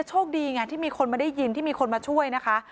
โชคดีไงที่มีคนมาได้ยินที่มีคนมาช่วยนะคะ